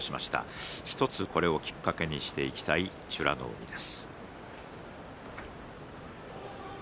１つきっかけにしていきたい美ノ海です。